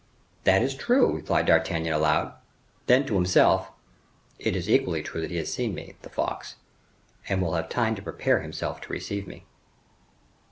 "That is true," replied D'Artagnan, aloud.—Then to himself:—"It is equally true he has seen me, the fox, and will have time to prepare himself to receive me."